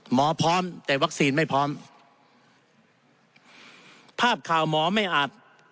หมอพร้อมแต่วัคซีนไม่พร้อมภาพข่าวหมอไม่อัด